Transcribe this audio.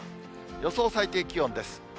予想最低気温です。